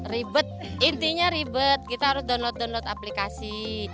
ribet intinya ribet kita harus download download aplikasi